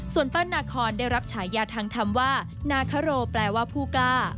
ส่วนเปิ้ลนาคอนได้รับฉายาทางธรรมว่านาคโรแปลว่าผู้กล้า